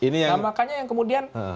nah makanya yang kemudian